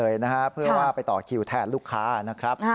อาหารเต็มไปหมดเลยนะครับเพื่อว่าไปต่อคิวแทนลูกค้านะครับ